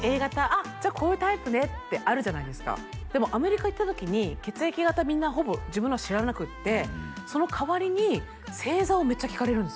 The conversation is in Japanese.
「あっじゃあこういうタイプね」ってあるじゃないですかでもアメリカ行った時に血液型みんなほぼ自分のは知らなくってその代わりに星座をめっちゃ聞かれるんですよ